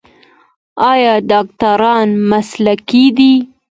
آیا ډاکټران مسلکي دي؟